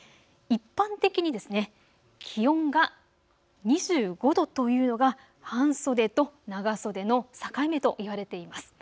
一般的に気温が２５度というのが半袖と長袖の境目といわれています。